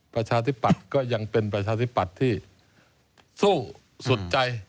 ประชาธิปัตย์ก็ยังเป็นประชาธิปัตย์ที่สู้สุดใจ